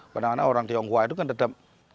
padahal orang tionghoa itu kan tetap